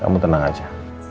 kamu tenang aja